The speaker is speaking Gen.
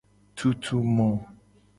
Tutu mo.